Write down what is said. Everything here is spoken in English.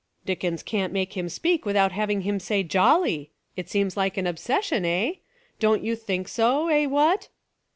Dickens can't make him speak without having him say 'jolly.' It seems like an obsession, eh? Don't you think so, eh, what?"